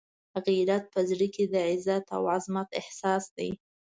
غیرت په زړه کې د عزت او عزمت احساس دی.